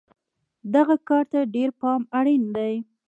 دغه کار ته ډېر پام اړین دی.